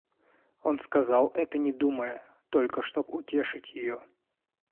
Он сказал это не думая, только чтоб утешить ее.